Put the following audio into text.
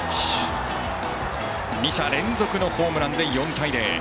２者連続のホームランで４対０。